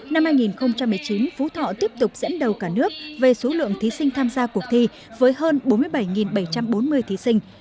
năm hai nghìn một mươi chín phú thọ tiếp tục dẫn đầu cả nước về số lượng thí sinh tham gia cuộc thi với hơn bốn mươi bảy bảy trăm bốn mươi thí sinh